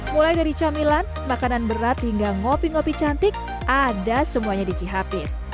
mulai dari camilan makanan berat hingga ngopi ngopi cantik ada semuanya di cihapit